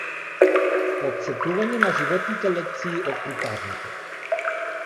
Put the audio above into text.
Потсетување на животните лекции од приказните